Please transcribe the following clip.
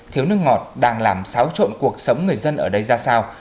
thiếu nước ngọt đang làm xáo trộn cuộc sống người dân ở đây ra sao